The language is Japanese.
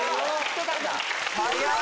早い！